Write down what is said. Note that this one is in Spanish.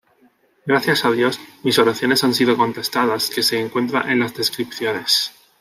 Gracias a Dios mis oraciones han sido contestadas "que se encuentra en las descripciones.